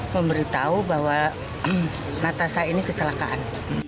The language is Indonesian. memberitahu bahwa natasha ini keselakaan